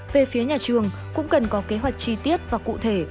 về phía nhà trường cũng cần có kế hoạch chi tiết và cụ thể